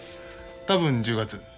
多分１０月。